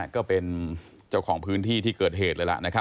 ก็เป็นเจ้าของพื้นที่ที่เกิดเหตุเลยล่ะ